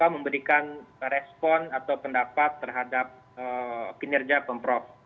memberikan respon atau pendapat terhadap kinerja pemprov